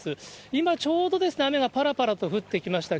今ちょうど雨がぱらぱらと降ってきました。